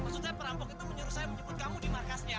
maksud saya perampok itu menyuruh saya menjemput kamu di markasnya